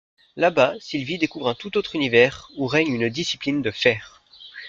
Là-bas, Sylvie découvre un tout autre univers, où règne une discipline de fer.